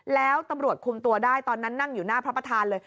แล้วตำรวจคุมตัวได้ตอนนั้นนั่งอยู่หน้าพระประธานเลย